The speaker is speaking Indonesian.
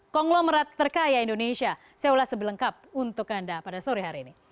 konglomerat terkaya indonesia saya ulas sebelengkap untuk anda pada sore hari ini